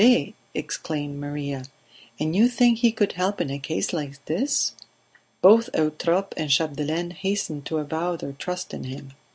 exclaimed Maria. "And you think he could help in a case like this?" Both Eutrope and Chapdelaine hastened to avow their trust in him.